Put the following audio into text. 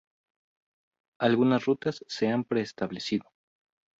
Algunas rutas se han preestablecido.